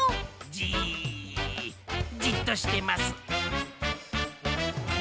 じっとしてます。